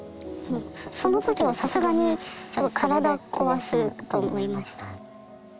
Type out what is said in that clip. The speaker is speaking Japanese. そのときはさすがに体壊すと思いました。